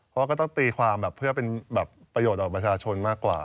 เพราะว่าก็ต้องตีความแบบเพื่อเป็นแบบประโยชน์ต่อประชาชนมากกว่า